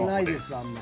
あんまり。